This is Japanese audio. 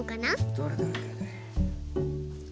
どれどれどれどれ。